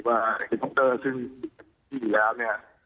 ว่าเฮดโทรปเตอร์ซึ่งอีกทีแล้ว